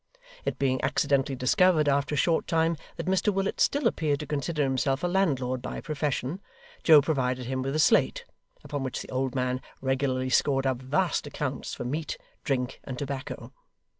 It being accidentally discovered after a short time that Mr Willet still appeared to consider himself a landlord by profession, Joe provided him with a slate, upon which the old man regularly scored up vast accounts for meat, drink, and tobacco.